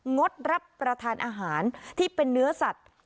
งดรับประทานอาหารที่เป็นเนื้อสัตว์